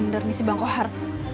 bener nih si bang kohar